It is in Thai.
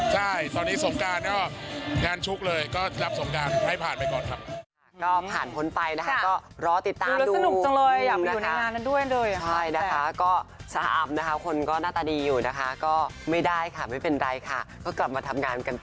ใช่ตอนนี้สงการก็งานชุกเลยก็รับสงการให้ผ่านไปก่อนครับ